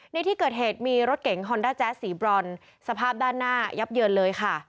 ในที่เกิดเหตุมีรถเก๋งฮอนด้าแจ๊สสีบรอนสภาพด้านหน้ายับเยินเลยค่ะ